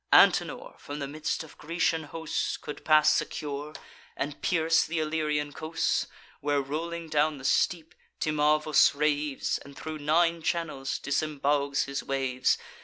Antenor, from the midst of Grecian hosts, Could pass secure, and pierce th' Illyrian coasts, Where, rolling down the steep, Timavus raves And thro' nine channels disembogues his waves.